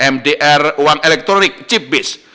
mdr uang elektronik chip base